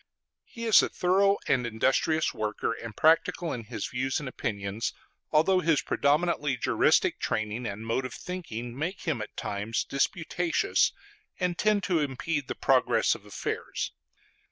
He is a thorough and industrious worker, and practical in his views and opinions; although his predominantly juristic training and mode of thinking make him at times disputatious, and tend to impede the progress of affairs.